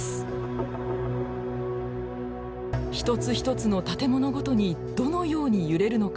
一つ一つの建物ごとにどのように揺れるのか